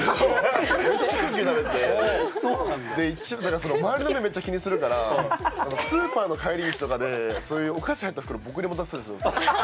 だから周りの目をめっちゃ気にするから、スーパーの帰り道とかで、そういうお菓子入った袋を僕に渡すんですよ。